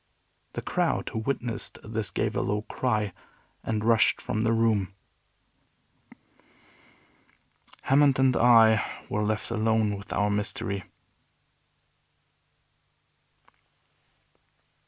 The crowd who witnessed this gave a low cry, and rushed from the room. Hammond and I were left alone with our Mystery.